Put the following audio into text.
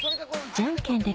じゃんけんほい！